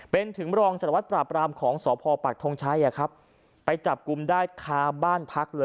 เป็นถึงรองสารวัตรปราบรามของสพปักทงชัยไปจับกลุ่มได้คาบ้านพักเลย